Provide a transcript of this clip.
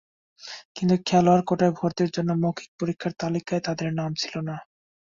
কিন্তু খেলোয়াড় কোটায় ভর্তির জন্য মৌখিক পরীক্ষার তালিকায় তাঁদের নাম ছিল না।